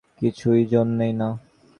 কিছুর জন্যই না।